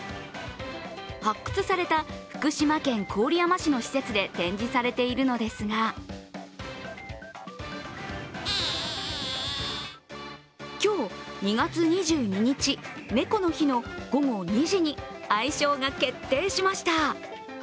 発掘された福島県郡山市の施設で展示されているのですが今日２月２２日、猫の日の午後２時に愛称が決定しました。